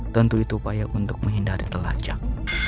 tentu itu upaya untuk menghindari telacak